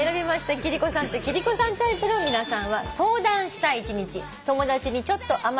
貴理子さんと貴理子さんタイプの皆さんは。